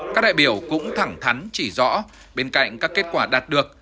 các đại biểu cũng thẳng thắn chỉ rõ bên cạnh các kết quả đạt được